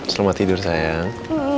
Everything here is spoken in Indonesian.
selamat tidur sayang